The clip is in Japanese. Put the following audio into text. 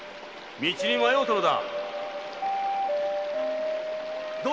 道に迷うたのだ